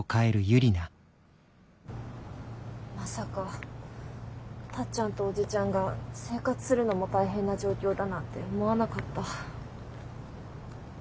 まさかタッちゃんとおじちゃんが生活するのも大変な状況だなんて思わなかった。